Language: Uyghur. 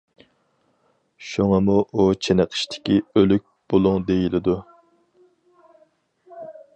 شۇڭىمۇ ئۇ چېنىقىشتىكى ئۆلۈك بۇلۇڭ دېيىلىدۇ.